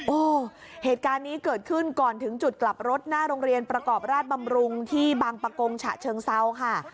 โอ้โหเหตุการณ์นี้เกิดขึ้นก่อนถึงจุดกลับรถหน้าโรงเรียนประกอบราชบำรุงที่บางประกงฉะเชิงเซาค่ะ